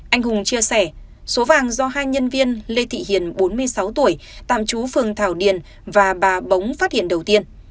anh hùng chia sẻ số vàng do hai nhân viên lê thị hiền bốn mươi sáu tuổi tạm trú phường thảo điền và bà bỗng phát hiện đầu tiên